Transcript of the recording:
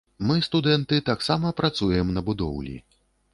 Мы, студэнты, таксама працуем на будоўлі.